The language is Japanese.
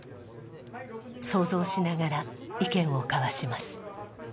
想像しながら意見を交わします。